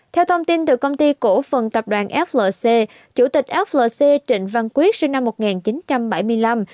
theo thông tin từ công ty cổ phần tập đoàn flc chủ tịch flc trịnh văn quyết sinh năm một nghìn chín trăm bảy mươi năm